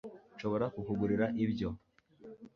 nshobora kukugurira ibyo